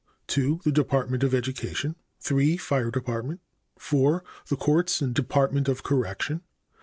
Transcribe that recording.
2. The Department of Education. 3. Fire Department. 4. The Courts and Department of Correction.